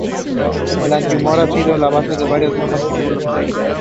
Pascin already suffered from depression and was an alcoholic.